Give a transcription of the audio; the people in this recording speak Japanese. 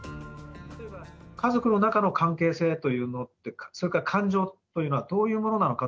家族の中の関係性というのって、それから感情というのは、どういうものなのか。